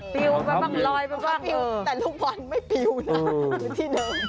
เปรี้ยวแปบลอยแต่ลูกปอนต์ไม่เปรี้ยวนะเหมือนที่เดิม